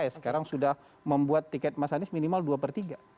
sekarang sudah membuat tiket mas anies minimal dua per tiga